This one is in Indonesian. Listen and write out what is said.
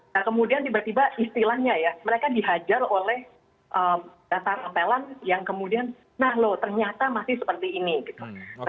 nah kemudian tiba tiba istilahnya ya mereka dihajar oleh data rapelan yang kemudian nah loh ternyata masih seperti ini gitu